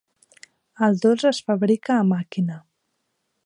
El dolç es fabrica a màquina.